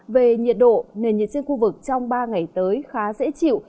về nhiệt độ nền nhiệt trên khu vực trong ba ngày tới khá dễ chịu